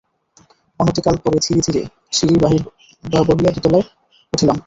অনতিকাল পরে ধীরে ধীরে সিঁড়ি বাহিয়া দোতলায় উঠিলাম।